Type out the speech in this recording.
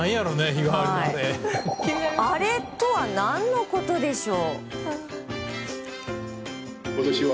「アレ」とは何のことでしょう？